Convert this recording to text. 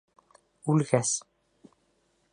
Үлгәс.